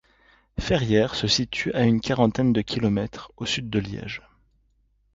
Ferrières se situe à une quarantaine de kilomètres au sud de Liège.